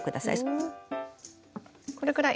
これくらい。